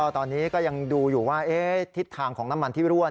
ตอนนี้ก็ยังดูอยู่ว่าทิศทางของน้ำมันที่รั่ว